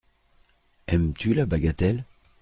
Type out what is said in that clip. Aimes-tu la bagatelle ?